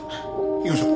行きましょう。